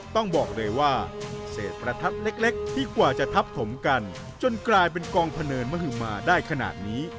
ต้องบอกเลยว่าเศษประทัดเล็กที่กว่าจะทับถมกันจนกลายเป็นกองพะเนินมหมาได้ขนาดนี้